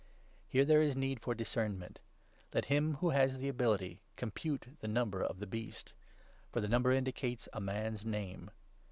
(Here there is need 18 for discernment.) Let him who has the ability compute the number of the Beast ; for the number indicates a man's name.